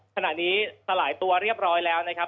ขณะนี้สลายตัวเรียบร้อยแล้วนะครับ